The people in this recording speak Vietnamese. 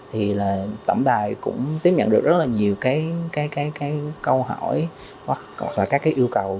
thì là tổng đài cũng tiếp nhận được rất là nhiều cái câu hỏi hoặc là các cái yêu cầu